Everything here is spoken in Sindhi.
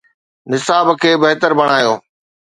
نصاب کي بهتر بڻايو.